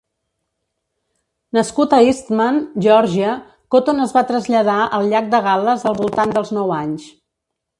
Nascut a Eastman, Geòrgia, Cotton es va traslladar al llac de Gal·les al voltant dels nou anys.